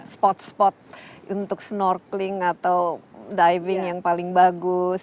spot spot untuk snorkeling atau diving yang paling bagus